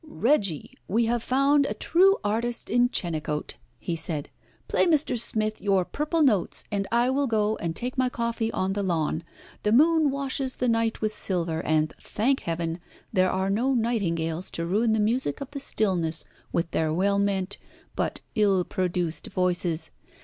"Reggie, we have found a true artist in Chenecote," he said. "Play Mr. Smith your purple notes, and I will go and take my coffee on the lawn. The moon washes the night with silver, and, thank Heaven! there are no nightingales to ruin the music of the stillness with their well meant but ill produced voices.